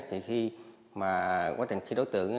thì khi mà quá trình khi đối tượng